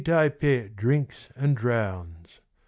'LI TAI PE DRINKS AND DROWNS."